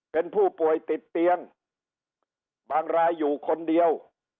เป็นผู้ป่วยติดเตียงบางรายอยู่คนเดียว